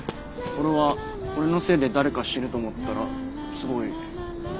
俺は俺のせいで誰か死ぬと思ったらすごいきつかった。